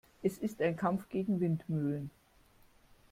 Es ist ein Kampf gegen Windmühlen.